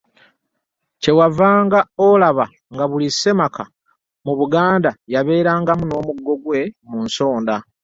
Kye wavanga olaba nga buli ssemaka mu Buganda yabeerangamu n’omuggo gwe mu nsonda.